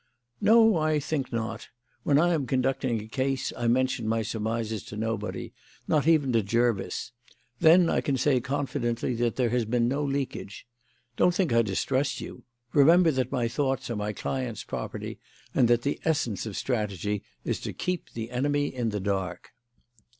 "No, I think not. When I am conducting a case I mention my surmises to nobody not even to Jervis. Then I can say confidently that there has been no leakage. Don't think I distrust you. Remember that my thoughts are my client's property, and that the essence of strategy is to keep the enemy in the dark."